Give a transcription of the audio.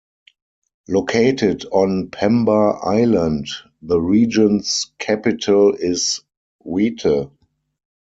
Located on Pemba Island, the region's capital is Wete.